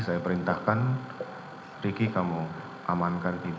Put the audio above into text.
saya perintahkan ricky kamu amankan ibu ke saguling